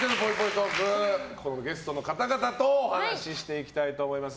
トークゲストの方々とお話していきたいと思います。